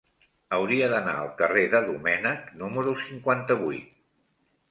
Hauria d'anar al carrer de Domènech número cinquanta-vuit.